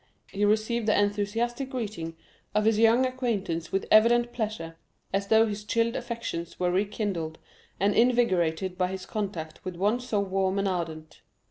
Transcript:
He received the enthusiastic greeting of his young acquaintance with evident pleasure, as though his chilled affections were rekindled and invigorated by his contact with one so warm and ardent.